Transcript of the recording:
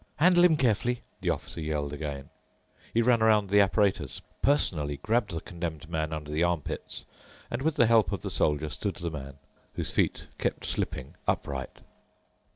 "Handle him carefully," the Officer yelled again. He ran around the apparatus, personally grabbed the Condemned Man under the armpits and, with the help of the Soldier, stood the man, whose feet kept slipping, upright.